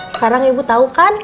sekarang ibu tau kan